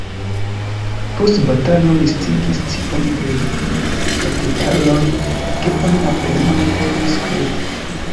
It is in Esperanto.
Post batalo listigis tiom da detaloj, ke oni apenaŭ povis kredi.